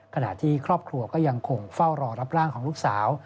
ขณะที่ครอบครัวก็ยังคงเฝ้ารอรับร่างของลูกสาว